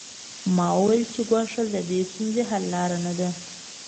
ما وویل چې ګواښل د دې ستونزې حل لاره نه ده